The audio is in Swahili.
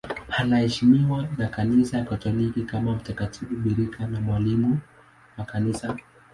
Anaheshimiwa na Kanisa Katoliki kama mtakatifu bikira na mwalimu wa Kanisa.